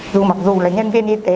dù mặc dù là nhân viên y tế